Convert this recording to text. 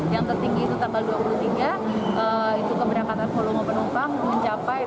yang tertinggi itu tanggal dua puluh tiga itu keberangkatan volume penumpang mencapai enam belas tujuh ratus